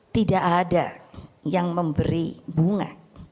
tidak ada yang memberi bunga